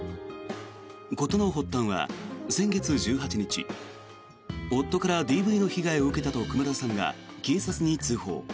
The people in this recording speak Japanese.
事の発端は先月１８日夫からＤＶの被害を受けたと熊田さんが警察に通報。